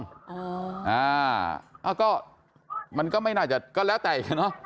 อ่าก็มันก็ไม่น่าจะก็แล้วแต่เนอะ